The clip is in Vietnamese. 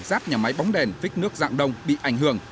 giáp nhà máy bóng đèn phích nước dạng đông bị ảnh hưởng